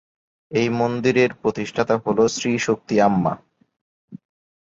এই মন্দিরের প্রতিষ্ঠাতা হল শ্রী শক্তি আম্মা।